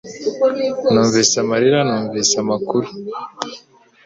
Numvise amarira numvise amakuru